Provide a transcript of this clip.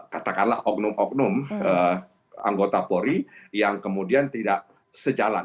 katakanlah ognum ognum anggota polri yang kemudian tidak sejalan